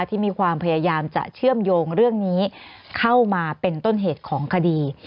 ที่มีความพยายามจะเชื่อมโยงเรื่องนี้เข้ามาเป็นต้นเหตุของคดี